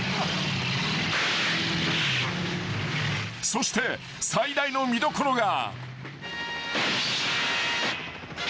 ［そして最大の見どころが］